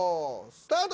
スタート！